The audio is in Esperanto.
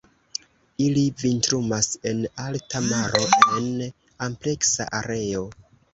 Ili vintrumas en alta maro en ampleksa areo.